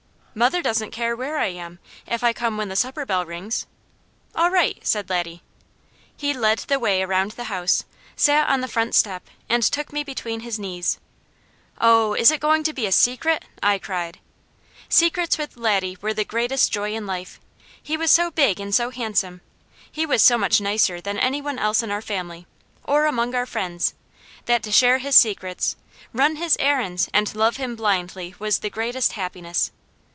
"Mother doesn't care where I am, if I come when the supper bell rings." "All right!" said Laddie. He led the way around the house, sat on the front step and took me between his knees. "Oh, is it going to be a secret?" I cried. Secrets with Laddie were the greatest joy in life. He was so big and so handsome. He was so much nicer than any one else in our family, or among our friends, that to share his secrets, run his errands, and love him blindly was the greatest happiness.